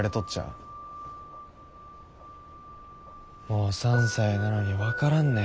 もう３歳なのに分からんね。